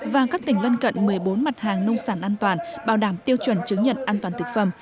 và các tỉnh lân cận một mươi bốn mặt hàng nông sản an toàn bảo đảm tiêu chuẩn chứng nhận an toàn thực phẩm